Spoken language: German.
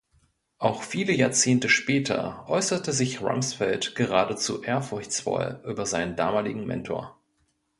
Auch viele Jahrzehnte später äußerte sich Rumsfeld geradezu ehrfurchtsvoll über seinen damaligen Mentor.